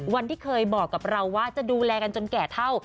วันที่เคยบอกกับเราว่าจะดูแลกันจนแก่เท่า